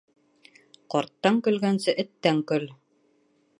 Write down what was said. Ҡарттан көлгәнсе, эттән көл.